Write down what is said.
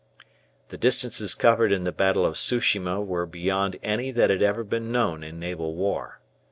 The distances covered in this battle of Tsu shima were beyond any that had ever been known in naval war.